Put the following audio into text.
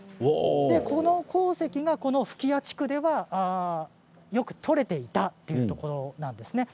この鉱石が吹屋地区ではよく採れていたということなんです。